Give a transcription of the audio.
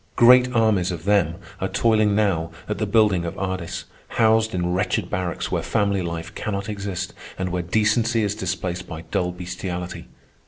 Great armies of them are toiling now at the building of Ardis, housed in wretched barracks where family life cannot exist, and where decency is displaced by dull bestiality.